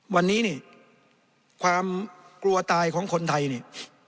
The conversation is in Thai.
วันนี้นี่ความกลัวตายของคนไทยนี่